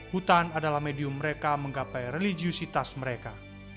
hutan adalah medium mereka menggapai religiositas mereka